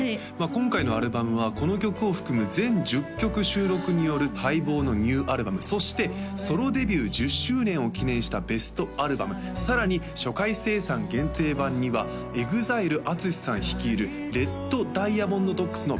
今回のアルバムはこの曲を含む全１０曲収録による待望のニューアルバムそしてソロデビュー１０周年を記念したベストアルバムさらに初回生産限定盤にはＥＸＩＬＥＡＴＳＵＳＨＩさん率いるＲＥＤＤＩＡＭＯＮＤＤＯＧＳのベストアルバム